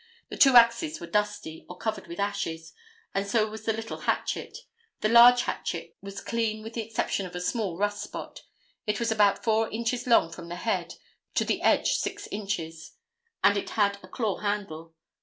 The two axes were dusty, or covered with ashes, and so was the little hatchet. The large hatchet was clean with the exception of a small rust spot. It was about four inches long from the head, to the edge six inches, and it had a claw handle.